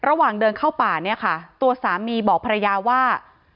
ระหว่างเดินเข้าป่าเนี่ยค่ะตัวสามีบอกภรรยาว่า